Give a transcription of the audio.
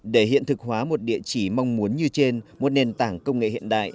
để hiện thực hóa một địa chỉ mong muốn như trên một nền tảng công nghệ hiện đại